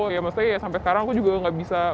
ya maksudnya ya sampai sekarang aku juga gak bisa